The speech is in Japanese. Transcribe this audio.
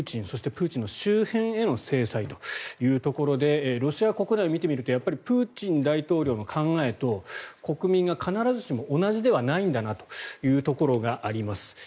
そしてプーチンの周辺への制裁ということでロシア国内を見てみるとプーチン大統領の考えと国民が必ずしも同じではないんだなというところがあります。